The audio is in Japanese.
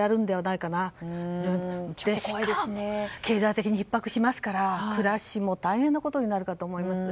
しかも経済的にひっ迫しますから、暮らしも大変なことになるかと思います。